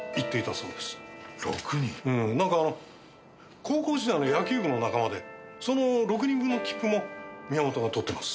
なんか高校時代の野球部の仲間でその６人分の切符も宮本が取ってます。